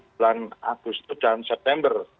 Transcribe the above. bulan agustus dan september